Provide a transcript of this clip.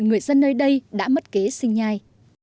người dân nơi đây đã mất kế sinh nhai